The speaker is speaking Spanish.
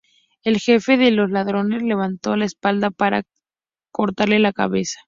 El jefe de los ladrones levantó la espada para cortarle la cabeza.